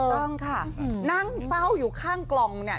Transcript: ต้องค่ะนั่งเฝ้าอยู่ข้างกล่องเนี่ย